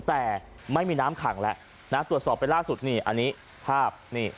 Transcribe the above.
แต่ไม่มีน้ำขังแล้วนะตรวจสอบไปล่าสุดนี่อันนี้ภาพนี่